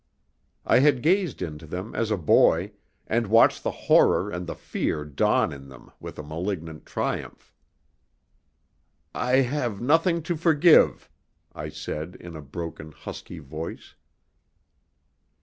I had gazed into them as a boy, and watched the horror and the fear dawn in them with a malignant triumph. "I have nothing to forgive," I said in a broken, husky voice.